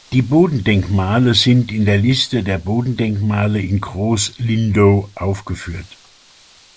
Die Bodendenkmale sind in der Liste der Bodendenkmale in Groß Lindow aufgeführt.